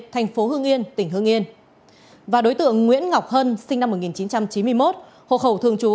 thành phố hương yên tỉnh hương yên và đối tượng nguyễn ngọc hân sinh năm một nghìn chín trăm chín mươi một hộ khẩu thường trú